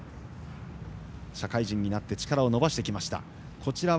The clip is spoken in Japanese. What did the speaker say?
社会人になって力を伸ばしてきました。